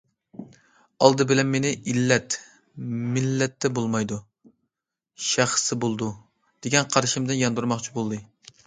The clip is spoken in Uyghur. ئالدى بىلەن مېنى« ئىللەت مىللەتتە بولمايدۇ، شەخستە بولىدۇ» دېگەن قارىشىمدىن ياندۇرماقچى بولدى.